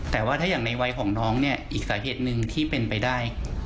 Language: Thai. แต่ว่าถ้าอย่างในวัยของน้องเนี่ยอีกสาเหตุหนึ่งที่เป็นไปได้